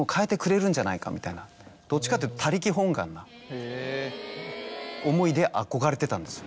どっちかっていうと他力本願な思いで憧れてたんです。